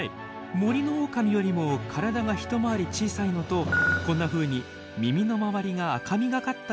森のオオカミよりも体が一回り小さいのとこんなふうに耳の周りが赤みがかった色をしているものが多いんです。